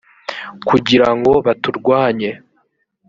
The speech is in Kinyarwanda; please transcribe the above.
kugira ngo baturwanye.